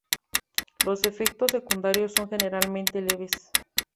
Los efectos secundarios son generalmente leves.